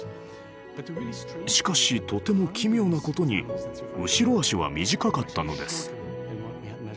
しかしとても奇妙なことに後ろ足は短かったのです。